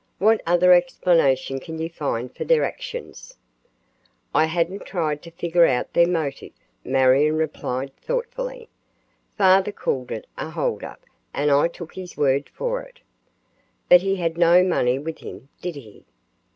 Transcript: What other explanation can you find for their actions?" "I hadn't tried to figure out their motive," Marion replied thoughtfully. "Father called it a hold up and I took his word for it." "But he had no money with him, did he?"